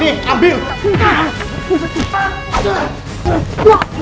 hilang dimana ya